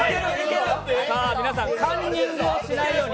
皆さん、カンニングをしないように。